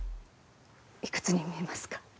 いくつに見えますか？